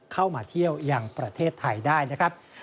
เข้ามาเที่ยวยังประเทศไทยได้นะครับ